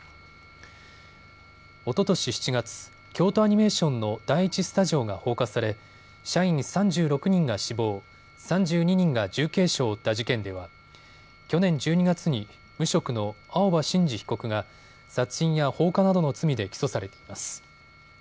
おととし７月、京都アニメーションの第１スタジオが放火され社員３６人が死亡、３２人が重軽傷を負った事件では去年１２月に無職の青葉真司被告が殺人や放火などの罪で起訴されています。